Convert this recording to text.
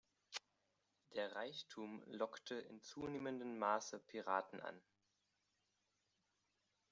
Der Reichtum lockte in zunehmendem Maße Piraten an.